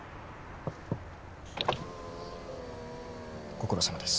ご苦労さまです。